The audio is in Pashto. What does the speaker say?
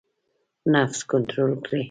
نفس کنټرول کړئ